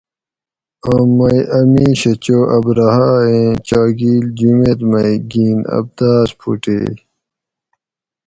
آم مئی ا میشہ چو ابرھہ ایں چاگیل جُمیت مئی گِین ابداۤس پھوٹیئے